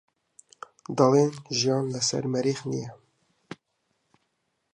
دەڵێن ژیان لەسەر مەریخ نییە.